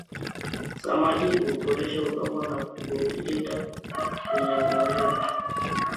samadi huboresha udongo na hulinda unyevu unyevu